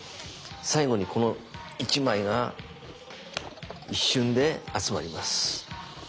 最後にこの１枚が一瞬で集まります。